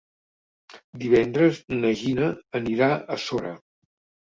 Divendres na Gina anirà a Sora.